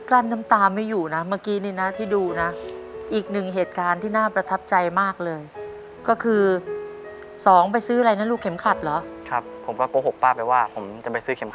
เราอยากให้หยุดเดี๋ยวนั้นเลยอยากให้กลับบ้านเลย